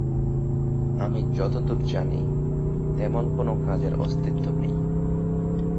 আমি যতদুর জানি, তেমন কোনো কাজের অস্তিত্ব নেই।